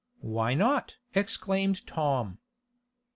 "Why not?" exclaimed Tom.